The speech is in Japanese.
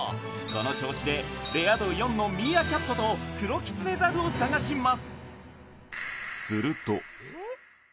この調子でレア度４のミーアキャットとクロキツネザルを探します